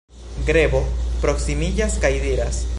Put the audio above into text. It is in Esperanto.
Grebo proksimiĝas kaj diras: